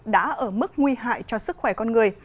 đã ở mức nguy hại cho sức khỏe con người